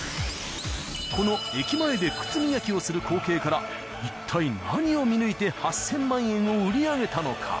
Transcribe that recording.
［この駅前で靴磨きをする光景からいったい何を見抜いて８，０００万円を売り上げたのか？］